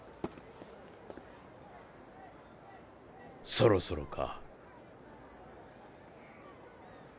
そろそろか。